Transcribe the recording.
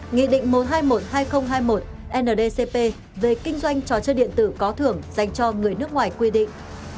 nghị định một trăm hai mươi một hai nghìn hai mươi một ndcp về kinh doanh trò chơi điện tử có thưởng dành cho người nước ngoài quy định